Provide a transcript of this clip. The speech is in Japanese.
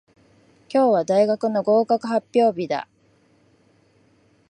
今日は大学の合格発表日だ。